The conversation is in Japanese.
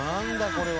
これは。